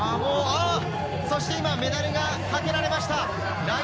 そして今メダルがかけられました。